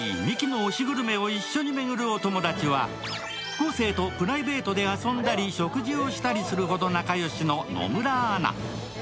昴生とプライベートで遊んだり食事をしたりするほど仲良しの野村アナ。